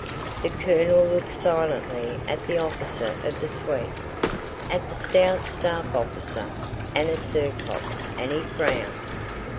The colonel looked silently at the officer of the suite, at the stout staff officer, and at Zherkóv, and he frowned.